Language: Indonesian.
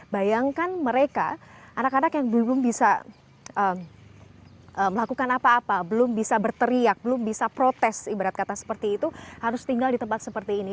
bayangkan mereka anak anak yang belum bisa melakukan apa apa belum bisa berteriak belum bisa protes ibarat kata seperti itu harus tinggal di tempat seperti ini